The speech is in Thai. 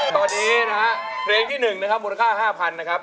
ตอนนี้นะฮะเพลงที่๑นะครับมูลค่า๕๐๐๐นะครับ